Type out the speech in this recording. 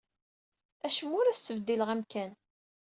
Acemma ur as-ttbeddileɣ amkan.